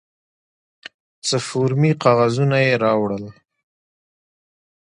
څه فورمې کاغذونه یې راوړل.